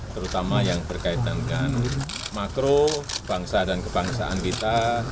terutama yang berkaitan dengan makro bangsa dan kebangsaan kita